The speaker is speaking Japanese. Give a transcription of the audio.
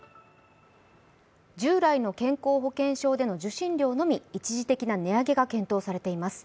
従来の健康保険証での受診料のみ一時的な値上げが検討されています。